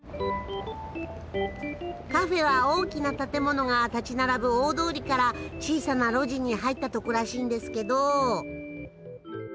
カフェは大きな建物が建ち並ぶ大通りから小さな路地に入ったとこらしいんですけど。